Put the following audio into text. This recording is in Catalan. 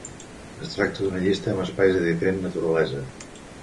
Es tracta d'una llista amb espais de diferent naturalesa.